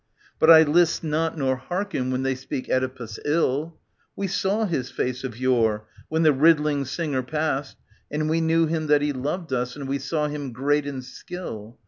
But I list not nor hearken when they speak Oedipus ill. We saw his face of yore, when the riddling singer passed ; And we knew him that he loved us, and we saw him great in skill.